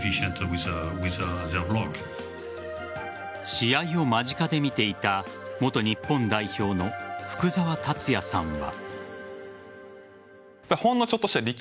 試合を間近で見ていた元日本代表の福澤達哉さんは。